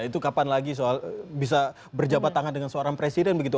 itu kapan lagi soal bisa berjabat tangan dengan seorang presiden begitu